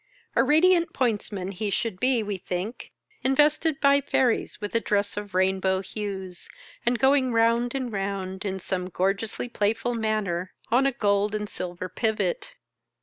A radiant pointsman he should be, we think, invested by fairies with a dress of rainbow hues, and going round and round in some gorgeously playful manner on a gold and silver pivot.